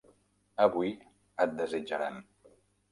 Avui et desitjaran.